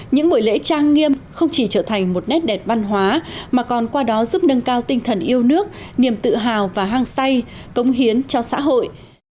những buổi lễ trang nghiêm không chỉ trở thành một nét đẹp văn hóa mà còn qua đó giúp nâng cao tinh thần yêu nước niềm tự hào và hăng say cống hiến cho xã hội